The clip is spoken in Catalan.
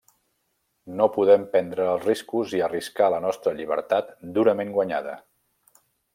No podem prendre els riscos i arriscar la nostra llibertat durament guanyada.